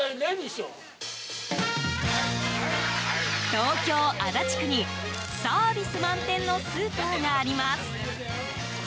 東京・足立区にサービス満点のスーパーがあります。